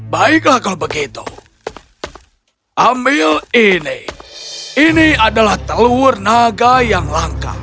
baiklah kalau begitu ambil ini ini adalah telur naga yang langka